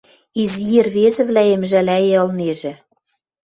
Изи ӹрвезӹвлӓэм жӓлӓйӹ ылнежӹ...